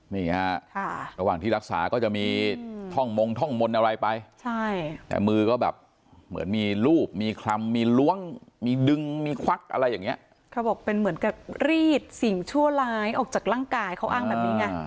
นี่ฮะระหว่างที่รักษาก็จะมีท่องมงท่องมนต์อะไรไปใช่แต่มือก็แบบเหมือนมีรูปมีคลำมีล้วงมีดึงมีควักอะไรอย่างเงี้ยเขาบอกเป็นเหมือนกับรีดสิ่งชั่วร้ายออกจากร่างกายเขาอ้างแบบนี้ไง